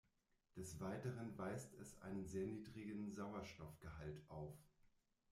Des Weiteren weist es einen sehr niedrigen Sauerstoffgehalt auf.